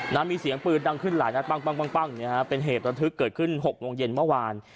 มีเสียงปืนดังขึ้นหลายนัดปั้งเป็นเหตุระทึกเกิดขึ้น๖โมงเย็นเมื่อวาน